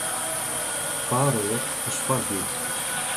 Faeröer as foarbyld.